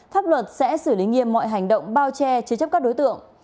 pháp luật sẽ xử lý nghiêm mọi hành động bao che chế chấp các đối tượng